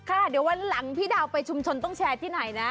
ค่ะเดี๋ยววันหลังพี่ดาวไปชุมชนต้องแชร์ที่ไหนนะ